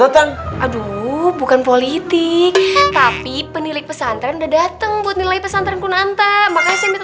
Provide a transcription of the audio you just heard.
datang aduh bukan politik tapi penilik pesantren dateng buat nilai pesantren kunanta makanya minta